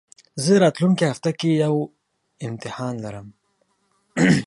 زه راتلونکي هفته کي يو امتحان لرم